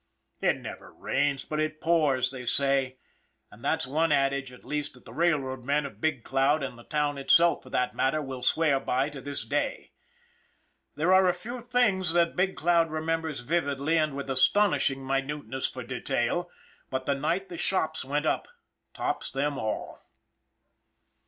It never rains but it pours, they say; and that's one adage, at least, that the railroad men of Big Cloud, and the town itself for that matter, will swear by to this day. There are a few things that Big Cloud remem bers vividly and with astounding minuteness for detail, but the night the shops went up tops them all.